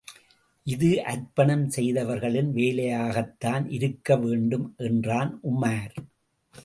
இது அர்ப்பணம் செய்தவர்களின் வேலையாகத்தான் இருக்கவேண்டும் என்றான் உமார்.